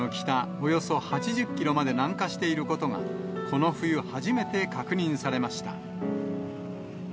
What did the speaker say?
およそ８０キロまで南下していることが、この冬初めて確認されました。